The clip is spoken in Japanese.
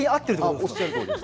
おっしゃるとおりです。